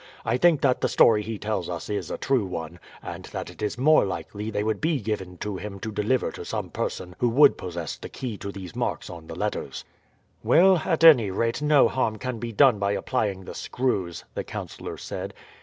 I think that the story he tells us is a true one, and that it is more likely they would be given him to deliver to some person who would possess the key to these marks on the letters." "Well, at any rate no harm can be done by applying the screws," the councillor said.